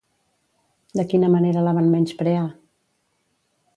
De quina manera la van menysprear?